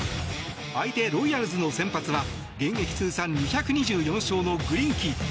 相手、ロイヤルズの先発は現役通算２２４勝のグリンキー。